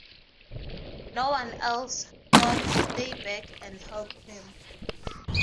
No one else thought to stay back and help him.